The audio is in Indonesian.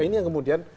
ini yang kemudian